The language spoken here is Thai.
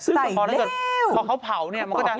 ซึ่งถ้าเกิดขอเผาเนี่ยมันก็จะใดแล้ว